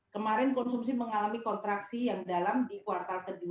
kemarin konsumsi mengalami kontraksi yang dalam di kuartal ke dua